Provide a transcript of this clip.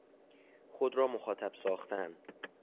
خود را مخاطب ساختن